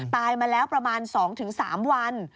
ตายมาแล้วประมาณ๒๓วัน